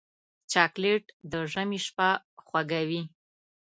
چاکلېټ د ژمي شپه خوږوي.